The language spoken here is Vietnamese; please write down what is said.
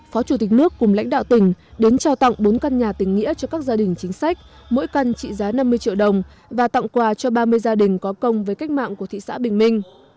phó chủ tịch nước cùng lãnh đạo tỉnh đến trao tặng bốn căn nhà tình nghĩa cho các gia đình chính sách mỗi căn trị giá năm mươi triệu đồng và tặng quà cho ba mươi gia đình có công với cách mạng của thị xã bình minh